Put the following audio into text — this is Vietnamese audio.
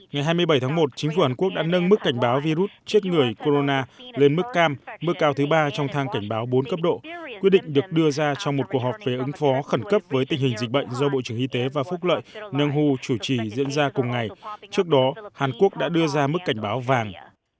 ngày hai mươi bảy tháng một chính phủ hàn quốc đã nâng mức cảnh báo virus chết người corona lên mức cam mức cao thứ ba trong thang cảnh báo bốn cấp độ quyết định được đưa ra trong một cuộc họp về ứng phó khẩn cấp với tình hình dịch bệnh do bộ trưởng y tế và phúc lợi nâng hưu chủ trì diễn ra cùng ngày trước đó hàn quốc đã đưa ra mức cảnh báo vàng